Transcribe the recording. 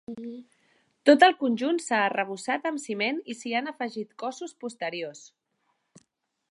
Tot el conjunt s'ha arrebossat amb ciment i s'hi han afegit cossos posteriors.